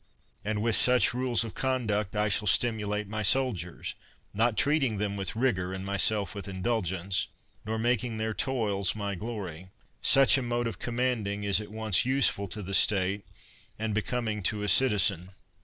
And with such rules of conduct I shall stimulate my soldiers, not treating them with rigor and my self with indulgence, nor making their toils my 47 . THE WORLD'S FAMOUS ORATIONS glory. Such a mode of commanding is at once useful to the State, and becoming to a citizen.